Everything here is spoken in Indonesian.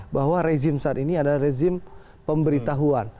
bahwa rezim saat ini adalah rezim pemberitahuan